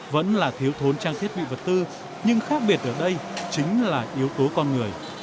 vẫn là thiếu thốn trang thiết bị vật tư nhưng khác biệt ở đây chính là yếu tố con người